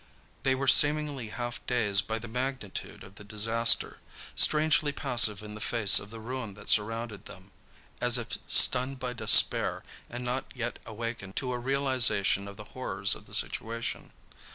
They were seemingly half dazed by the magnitude of the disaster, strangely passive in the face of the ruin that surrounded them, as if stunned by despair and not yet awakened to a realization of the horrors of the situation.